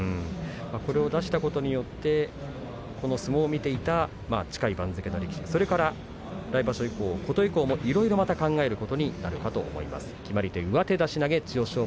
これを出したことによってこの相撲を見ていた近い番付の力士それから来場所以降、琴恵光もいろいろまた考えることになるかと思います。